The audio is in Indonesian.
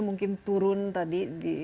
mungkin turun tadi di